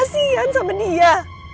kasihan sama dia